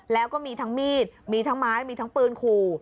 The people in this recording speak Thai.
แล้วก็มีทั้งมีดมีทั้งไม้มีทั้งปืนขู่